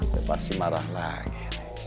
dia pasti marah lagi